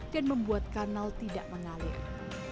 dan membuat kanal tidak mengalir